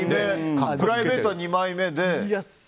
プライベートは二枚目で。